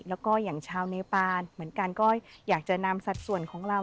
แล้วก็อย่างชาวเนปานเหมือนกันก็อยากจะนำสัดส่วนของเรา